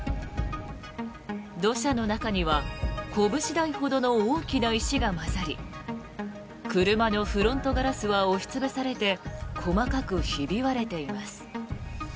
土砂の中にはこぶし大ほどの大きな石が混ざり車のフロントガラスは押し潰されて細かくひび割れています。